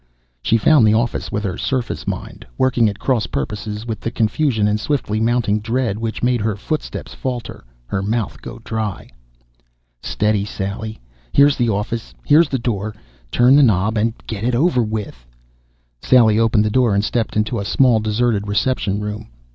She found the office with her surface mind, working at cross purposes with the confusion and swiftly mounting dread which made her footsteps falter, her mouth go dry. Steady, Sally! Here's the office, here's the door. Turn the knob and get it over with ... Sally opened the door and stepped into a small, deserted reception room.